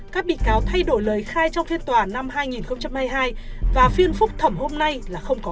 các bị cáo thay đổi lời khai trong phiên tòa năm hai nghìn hai mươi hai và phiên phúc thẩm hôm nay là không có